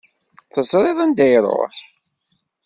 Teẓriḍ anda iruḥ?